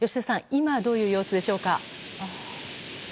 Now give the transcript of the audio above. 今どういう様子でしょうか。